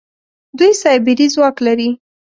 دوی سايبري ځواک لري.